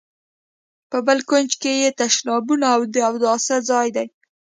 په بل کونج کې یې تشنابونه او د اوداسه ځای دی.